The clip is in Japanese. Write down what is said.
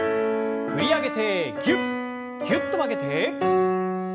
振り上げてぎゅっぎゅっと曲げて。